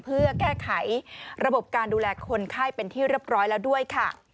เพื่อแก้ไขระบบการดูแลคนไข้เป็นที่เรียบร้อยแล้วด้วยค่ะ